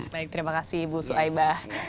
baik terima kasih bu sulaibah